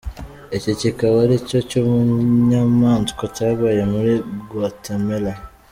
Iki kikaba aricyo cy’ubunyamaswa cyabaye muri Guatemala.